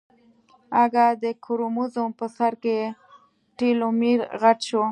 اگه د کروموزوم په سر کې ټيلومېر غټ شو.